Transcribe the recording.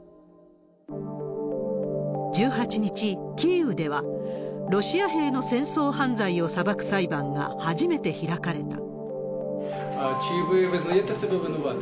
１８日、キーウでは、ロシア兵の戦争犯罪を裁く裁判が初めて開かれた。